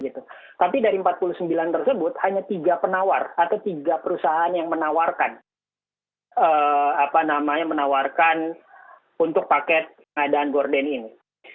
tapi dari empat puluh sembilan tersebut hanya tiga penawar atau tiga perusahaan yang menawarkan menawarkan untuk paket pengadaan gordon ini